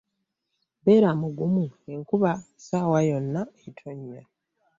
Beera mugumu enkuba ssaawa yonna etonnya.